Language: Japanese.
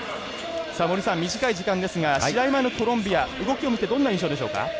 森さん、短い時間ですが試合前のコロンビア、動きを見てどんな印象でしょうか？